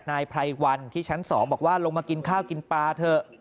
นายไพรวันที่ชั้น๒บอกว่าลงมากินข้าวกินปลาเถอะ